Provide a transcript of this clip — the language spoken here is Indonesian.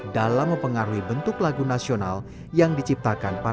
dalam mempengaruhi bentuk lagu nasional yang diciptakan oleh klasik